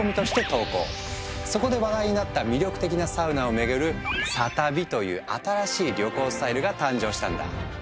そこで話題になった魅力的なサウナを巡る「サ旅」という新しい旅行スタイルが誕生したんだ。